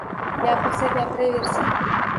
— Gapirsa-gapiraversin!